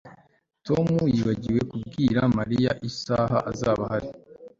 Tom yibagiwe kubwira Mariya isaha azaba ahari